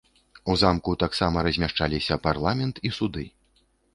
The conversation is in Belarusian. У замку таксама размяшчаліся парламент і суды.